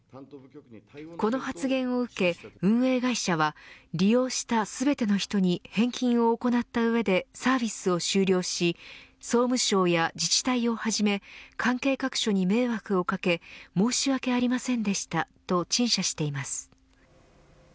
この発言を受け、運営会社は利用した全ての人に返金を行った上でサービスを終了し総務省や自治体をはじめ関係各所に迷惑をかけ申し訳ありませんでしたと陳謝しています。